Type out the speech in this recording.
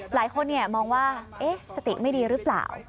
หลายคนมองว่าสติไม่ดีหรือเปล่า